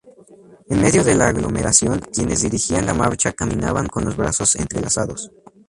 En medio de la aglomeración quienes dirigían la marcha caminaban con los brazos entrelazados.